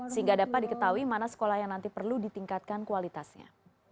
sehingga dapat diketahui mana sekolah yang nanti perlu ditingkatkan kualitasnya